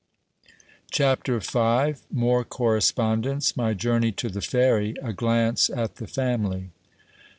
CHAPTER V. MORE CORRESPONDENCE — MY JOURNEY TO THE FERRY — A GLANCE AT THE FAMILY.